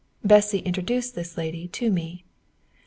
Bessy introduced this lady to me.